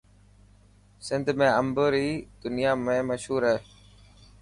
سنڌ ۾ امب پوري دنيا ۾ مشهور هي.